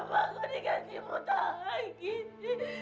bapak bapak kenapa aku buta aku buta ibu aku buta